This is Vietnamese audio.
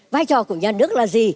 vai trò của nhà nước là gì